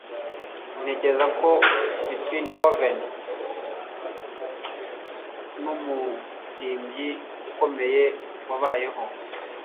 ntekereza ko beethoven numuhimbyi ukomeye wabayeho